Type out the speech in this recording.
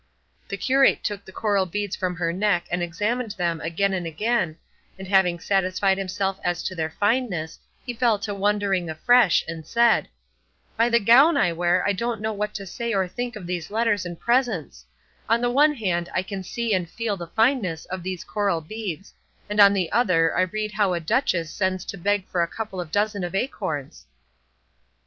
The curate took the coral beads from her neck and examined them again and again, and having satisfied himself as to their fineness he fell to wondering afresh, and said, "By the gown I wear I don't know what to say or think of these letters and presents; on the one hand I can see and feel the fineness of these coral beads, and on the other I read how a duchess sends to beg for a couple of dozen of acorns."